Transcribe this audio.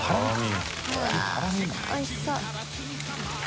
おいしそう。